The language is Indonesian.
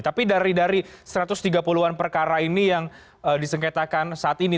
tapi dari satu ratus tiga puluh an perkara ini yang disengketakan saat ini